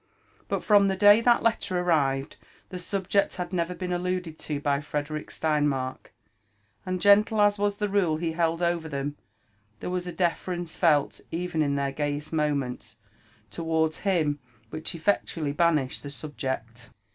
But from the day that the letter arrived, the subject had never been alluded to by Frederick Sleinmark ; and gentle as was the rule he held over them, there was a deference felt, even in their gayest mo ments, towards him which effectually banished the subject.